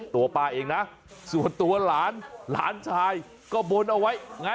ตัวป้าเองนะส่วนตัวหลานหลานชายก็บนเอาไว้